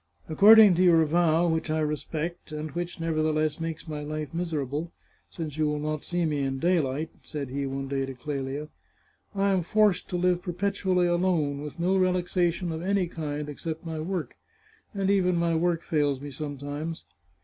" According to your vow, which I respect, and which, nevertheless, makes my life miserable, since you will not see me in daylight," said he one day to Clelia, " I am forced to live perpetually alone, with no relaxation of any kind ex cept my work, and even my work fails me sometimes.